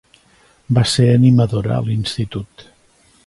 Va ser animadora a l'institut.